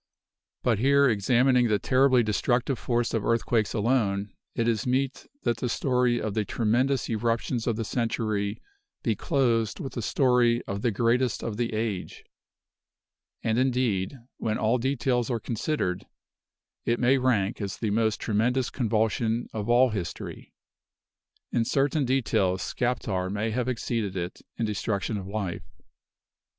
But ere examining the terribly destructive force of earthquakes alone, it is meet that the story of the tremendous eruptions of the century be closed with the story of the greatest of the age; and indeed, when all details are considered, it may rank as the most tremendous convulsion of all history. In certain details, Skaptar may have exceeded it: in destruction of life.